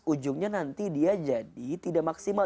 ujungnya nanti dia jadi tidak maksimal